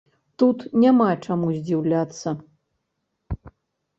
Тут няма чаму здзіўляцца.